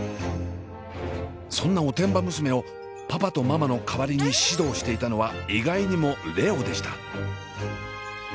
そんなおてんば娘をパパとママの代わりに指導していたのは意外にも蓮音でした。